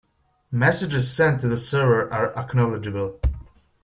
Messages sent to the server are acknowledgeable.